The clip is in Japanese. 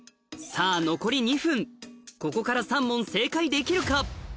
さぁ残り２分ここから３問正解できるか？